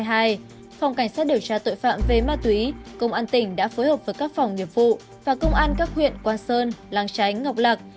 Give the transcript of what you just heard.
phòng cảnh sát điều tra tội phạm về ma túy công an tỉnh đã phối hợp với các phòng nghiệp vụ và công an các huyện quang sơn lang chánh ngọc lạc